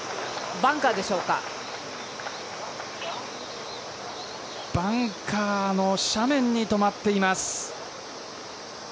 バンカーの斜面に止まっています。